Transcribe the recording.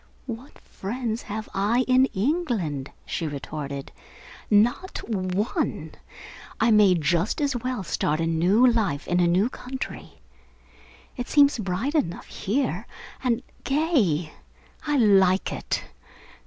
"What friends have I in England?" she retorted. "Not one! I may just as well start a new life in a new country. It seems bright enough here, and gay. I like it.